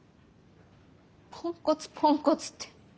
ポンコツポンコツって